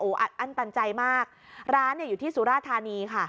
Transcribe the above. อัดอั้นตันใจมากร้านเนี่ยอยู่ที่สุราธานีค่ะ